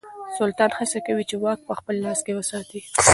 سلطان هڅه کوي چې واک په خپل لاس کې وساتي.